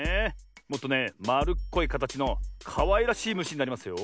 もっとねまるっこいかたちのかわいらしいむしになりますよ。